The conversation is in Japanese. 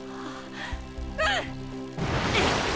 うん！